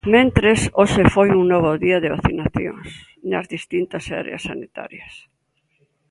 Mentres, hoxe foi un novo día de vacinacións nas distintas áreas sanitarias.